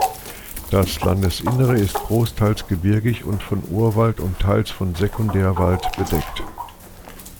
Das Landesinnere ist großteils gebirgig und von Urwald und teils von Sekundärwald bedeckt.